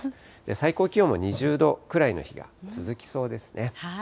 最高気温も２０度くらいの日が続きそうですね。